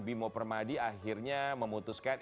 bimo permadi akhirnya memutuskan